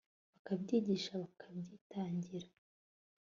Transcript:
bakabyigisha bakabyitangira